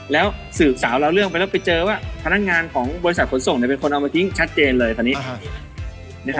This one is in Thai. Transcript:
แล้วสืบสาวเราเรื่องไปแล้วไปเจอว่าพนักงานของบริษัทขนส่งเป็นคนเอามาทิ้งชัดเจนเลยตอนนี้